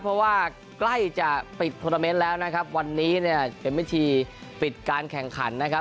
เพราะว่ากล้ายจะปิดท่วนเตอร์เม้นท์แล้วนะครับวันนี้เป็นวิธีปิดการแข่งขันนะครับ